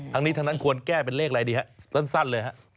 ทั้งนี้ทั้งนั้นควรแก้เป็นเลขอะไรดีฮะสั้นเลยฮะ